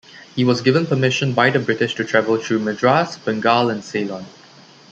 He was given permission by the British to travel through Madras, Bengal and Ceylon.